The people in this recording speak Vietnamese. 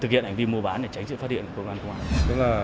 thực hiện hành vi mua bán để tránh sự phát hiện của quân quân